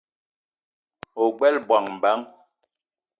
Ogbela bongo bang ?